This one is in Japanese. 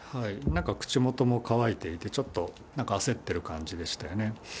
なんか口元も乾いていて、ちょっと、なんか焦っている感じでしたよね。